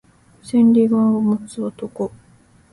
千里眼を持つ男